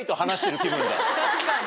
確かに。